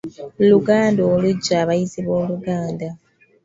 Luganda oluggya, abayizi b’Oluganda